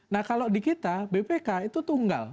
nah kalau di kita bpk itu tunggal